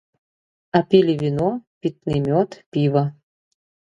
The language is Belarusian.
А пілі віно, пітны мёд, піва.